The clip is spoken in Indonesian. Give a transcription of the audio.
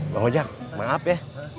bang wajah maaf ya